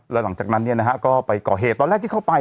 แล้วหลังจากนั้นก็ไปก่อเหตุตอนแรกที่เข้าไป